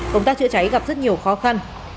công tác chữa cháy gặp rất nhiều khó khăn